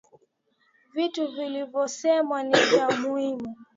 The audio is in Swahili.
Vitu vilivyosemwa ni vya muhimu